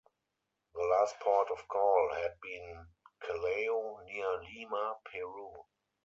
The last port of call had been Callao, near Lima, Peru.